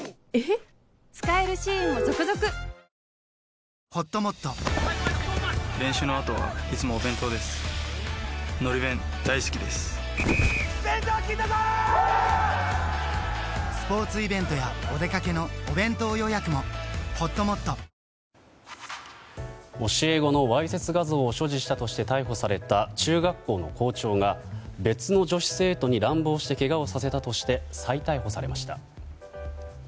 女子生徒に乱暴してけがをさせた疑いで教え子のわいせつ画像を所持したとして逮捕された中学校の校長が別の女子生徒に乱暴してけがをさせたとして再逮捕されました。